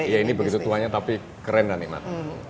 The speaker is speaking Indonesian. ya ini begitu tuanya tapi keren dan nikmat